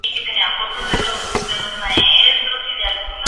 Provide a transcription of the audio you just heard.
Su capital es Hamar.